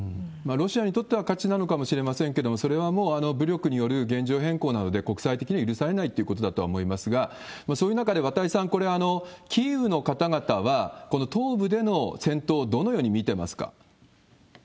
ロシアにとっては勝ちなのかもしれませんけれども、それはもう武力による現状変更なので、国際的には許されないということだと思いますが、そういう中で綿井さん、これ、キーウの方々はこの東部での戦闘をどのように見てますか？